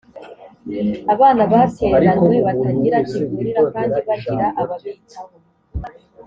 abana batereranywe batagira kivurira kandi bagira ababitaho